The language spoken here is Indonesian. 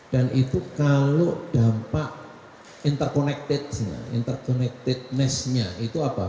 dan itu kalau dampak interconnected nya interconnectedness nya itu apa